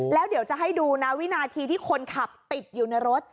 แล้วเดี๋ยวจะให้ดูนะวินาทีที่คนขับติดอยู่ในรถ